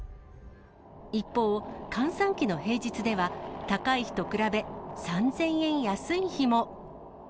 一方、閑散期の平日では、高い日と比べ３０００円安い日も。